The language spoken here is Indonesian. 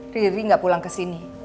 riri nggak pulang ke sini